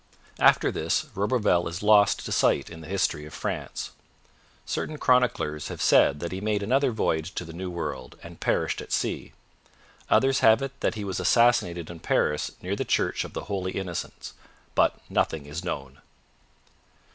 After this, Roberval is lost to sight in the history of France. Certain chroniclers have said that he made another voyage to the New World and perished at sea. Others have it that he was assassinated in Paris near the church of the Holy Innocents. But nothing is known.